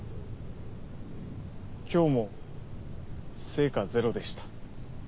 今日も成果ゼロでした。